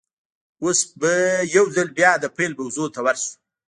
اوس به يوځل بيا د پيل موضوع ته ور شو.